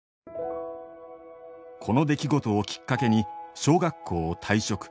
この出来事をきっかけに小学校を退職。